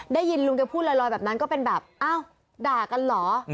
ได้ยินลุงแกพูดลอยแบบนั้นก็เป็นแบบอ้าวด่ากันเหรอ